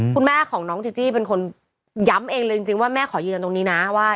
คุณแม่ของน้องจีจี้เป็นคนย้ำเองเลยจริงว่าแม่ขอยืนยันตรงนี้นะว่า